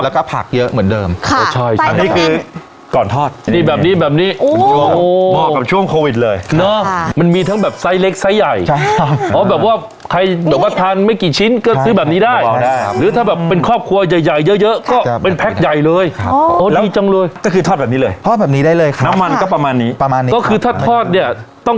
แล้วก็ผักเยอะเหมือนเดิมค่ะใช่ใช่อันนี้คือก่อนทอดนี่แบบนี้แบบนี้โอ้